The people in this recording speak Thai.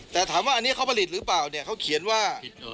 แต่ถามว่าอันนี้เขาผลิตหรือเปล่าเนี่ยเขาเขียนว่า